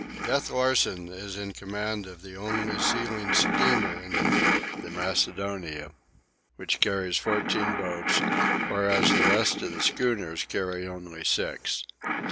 Death Larsen is in command of the only sealing steamer in the fleet, the Macedonia, which carries fourteen boats, whereas the rest of the schooners carry only six.